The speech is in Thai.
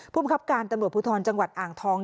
ภูมิครับการตำรวจภูทรจังหวัดอ่างทอง